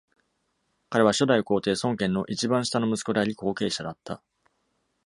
彼は初代皇帝孫権の一番下の息子であり後継者だった。